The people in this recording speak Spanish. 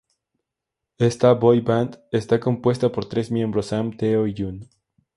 Esta boy band está compuesta por tres miembros Sam, Teo y Yun.